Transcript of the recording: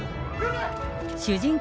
主人公